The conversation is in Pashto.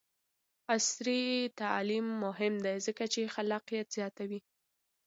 عصري تعلیم مهم دی ځکه چې خلاقیت زیاتوي.